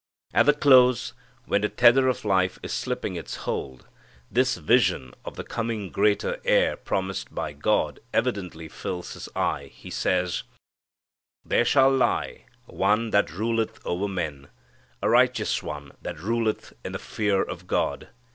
_ At the close, when the tether of life is slipping its hold, this vision of the coming greater Heir promised by God evidently fills his eye. He says: "There shall lie One that ruleth over men; A righteous One, that ruleth in the fear of God.